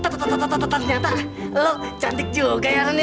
ternyata lo cantik juga ya ren ya